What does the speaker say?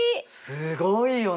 すごいよね！